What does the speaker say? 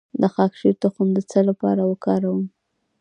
د خاکشیر تخم د څه لپاره وکاروم؟